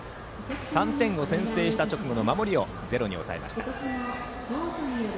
３点を先制した直後の守りをゼロに抑えました。